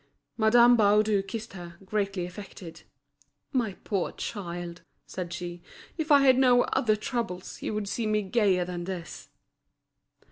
Madame Baudu kissed her, greatly affected. "My poor child," said she, "if I had no other troubles, you would see me gayer than this."